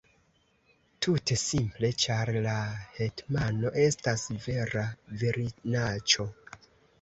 Tute simple, ĉar la hetmano estas vera virinaĉo!